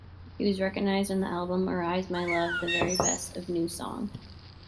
He was recognized on the album "Arise, My Love, The Very Best of NewSong".